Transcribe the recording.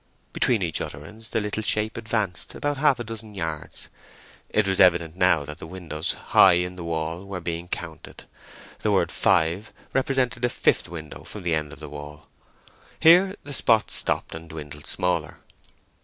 Between each utterance the little shape advanced about half a dozen yards. It was evident now that the windows high in the wall were being counted. The word "Five" represented the fifth window from the end of the wall. Here the spot stopped, and dwindled smaller.